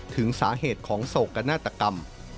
ถึงสาเหตุของโศกนาฏกรรม